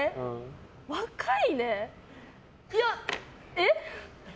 えっ？